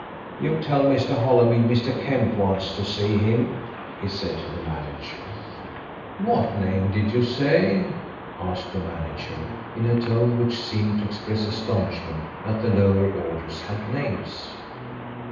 "You tell Mr. Holymead Mr. Kemp wants to see him," he said to the manager. "What name did you say?" asked the manager in a tone which seemed to express astonishment that the lower orders had names.